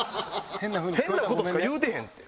変な事しか言うてへんって。